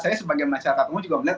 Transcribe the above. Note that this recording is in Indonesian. saya sebagai masyarakat